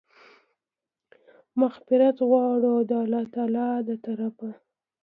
مغفرت غواړي، او د الله تعالی د طرفه